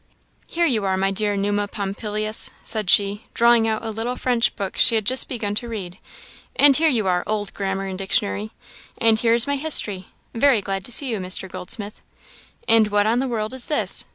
"Here you are, my dear Numa Pompilius," said she, drawing out a little French book she had just begun to read; "and here you are, old grammar and dictionary and here is my history very glad to see you, Mr. Goldsmith! and what in the world is this?